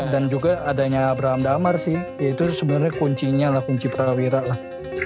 dan juga adanya abraham damar sih ya itu sebenernya kuncinya lah kunci prawira lah